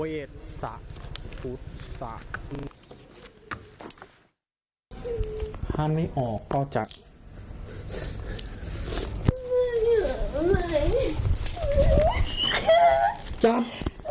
ห้ามไม่ออกก็จับ